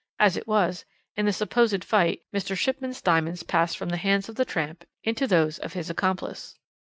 As it was, in the supposed fight, Mr. Shipman's diamonds passed from the hands of the tramp into those of his accomplice.